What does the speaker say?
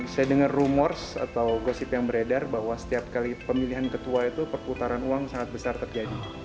saya dengar rumors atau gosip yang beredar bahwa setiap kali pemilihan ketua itu perputaran uang sangat besar terjadi